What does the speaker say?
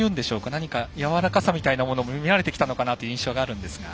何かやわらかさみたいなものも見られてきたのかなという印象があるんですが。